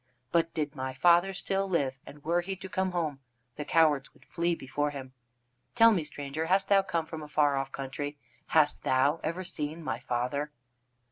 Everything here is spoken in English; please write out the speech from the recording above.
But did my father still live, and were he to come home, the cowards would flee before him. Tell me, stranger, hast thou come from a far off country? Hast thou ever seen my father?"